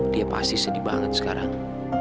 dia pasti sedih banget sekarang